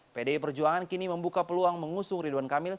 pdi perjuangan kini membuka peluang mengusung ridwan kamil